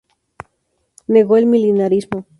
Negó el Milenarismo.